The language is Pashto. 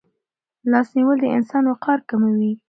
لاس نیول د انسان وقار کموي.